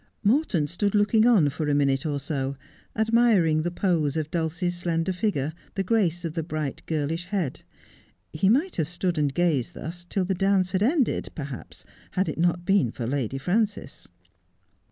Morton stood looking on for a minute or so, admiring the pose of Dulcie's slender figure, the grace of the bright girlish head. He might have stood and gazed thus till the dance had ended per haps had it not been for Lady Frances.